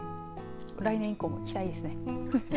来年以降も期待ですね。